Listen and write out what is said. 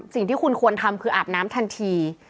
สิ่งที่คุณควรทำคืออาบน้ำทันที